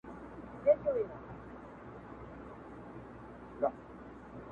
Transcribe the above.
ټول عالم ليدل چي لوڅ سلطان روان دئ،